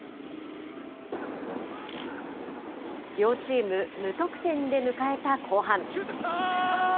両チーム、無得点で迎えた後半。